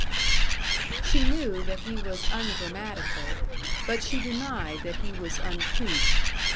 She knew that he was ungrammatical, but she denied that he was uncouth.